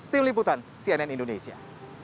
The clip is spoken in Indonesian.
tim liputan cnn indonesia